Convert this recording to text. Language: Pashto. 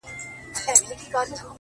کال ته به مرمه؛